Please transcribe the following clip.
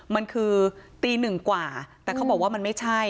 มันคือตีหนึ่งกว่าแต่เขาบอกว่ามันไม่ใช่